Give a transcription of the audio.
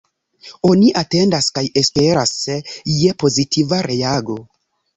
Oni atendas kaj esperas je pozitiva reago.